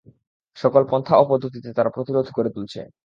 সকল পন্থা ও পদ্ধতিতে তারা প্রতিরোধ গড়ে তুলছে।